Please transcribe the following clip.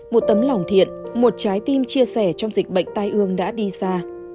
một tấm lòng thiện một trái tim chia sẻ trong dịch bệnh tai ương đã đi xa